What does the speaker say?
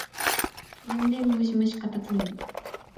電電ムシムシかたつむり